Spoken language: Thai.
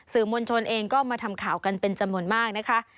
มวลชนเองก็มาทำข่าวกันเป็นจำนวนมากนะคะ